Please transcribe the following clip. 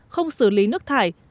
không xử lý nước thải